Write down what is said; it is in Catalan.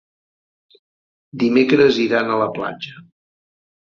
Dimecres iran a la platja.